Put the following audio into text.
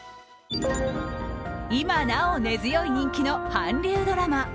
今なお根強い人気の韓流ドラマ。